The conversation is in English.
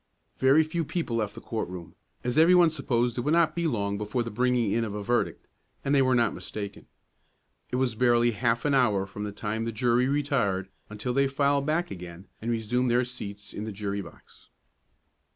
Very few people left the court room, as every one supposed it would not be long before the bringing in of a verdict, and they were not mistaken. It was barely half an hour from the time the jury retired until they filed back again, and resumed their seats in the jury box.